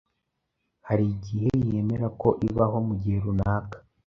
hari igihe yemera ko ibaho mu gihe runaka